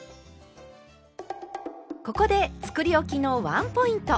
ここでつくりおきのワンポイント。